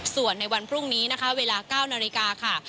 ส่วนในวันพรุ่งนี้นะคะเวลา๙นาฬิกาค่ะ